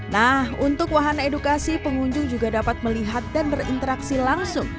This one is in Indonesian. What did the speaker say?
nah untuk wahana edukasi pengunjung juga dapat melihat dan berinteraksi langsung